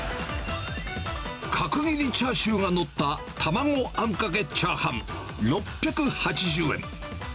角切りチャーシューが載った、卵あんかけチャーハン６８０円。